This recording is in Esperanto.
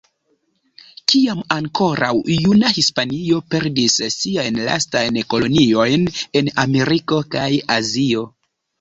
Kiam ankoraŭ juna Hispanio perdis siajn lastajn koloniojn en Ameriko kaj Azio.